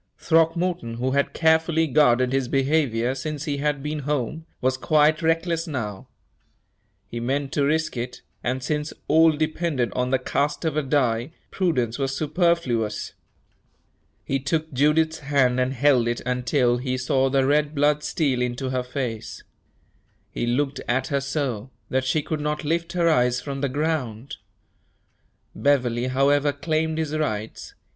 Throckmorton, who had carefully guarded his behavior since he had been home, was quite reckless now. He meant to risk it, and since all depended on the cast of a die, prudence was superfluous. He took Judith's hand and held it until he saw the red blood steal into her face. He looked at her so, that she could not lift her eyes from the ground. Beverley, however, claimed his rights.